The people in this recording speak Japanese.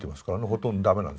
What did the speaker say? ほとんど駄目なんです。